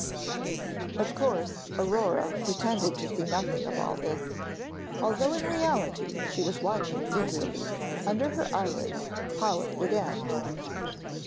Of course, Aurore pretended to see nothing of all this, although in reality she was watching eagerly under her eyelids how it would end.